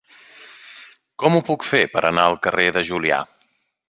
Com ho puc fer per anar al carrer de Julià?